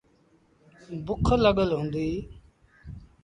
بُک لڳل هُݩديٚ۔